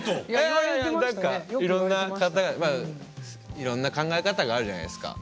いろんな考え方があるじゃないですか。